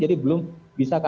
jadi belum bisa kami sampaikan